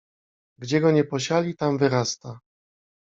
Gdzie go nie posiali, tam wyrasta!